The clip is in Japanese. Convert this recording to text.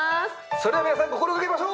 それでは皆さん心掛けましょう。